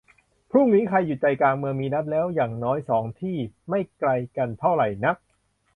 พรุ่งนี้ ใครอยู่ใจกลางเมืองมีนัดแล้วอย่างน้อยสองที่ ไม่ไกลกันเท่าไรนัก